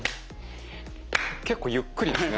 結構ゆっくりですね。